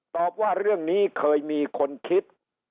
ตอบว่าเรื่องนี้เคยมีคนคิด